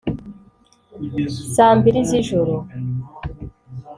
Saa mbiri z ijoro